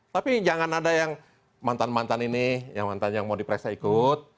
tapi jangan ada yang mantan mantan ini yang mau di presa ikut